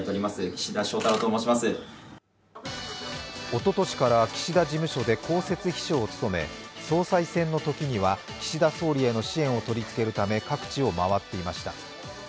おととしから岸田事務所で公設秘書を務め総裁選のときには岸田総理への支援を取りつけるため各地を回っていました。